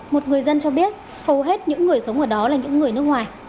một người dân cho biết hầu hết những người sống ở đó là những người nước ngoài